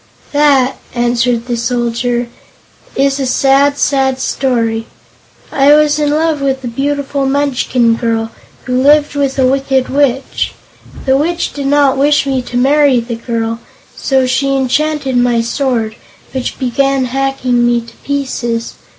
"That," answered the Soldier, "is a sad, sad story I was in love with a beautiful Munchkin girl, who lived with a Wicked Witch. The Witch did not wish me to marry the girl, so she enchanted my sword, which began hacking me to pieces.